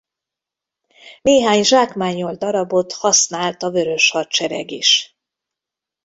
Néhány zsákmányolt darabot használt a Vörös hadsereg is.